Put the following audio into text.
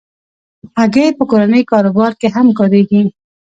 هګۍ په کورني کاروبار کې هم کارېږي.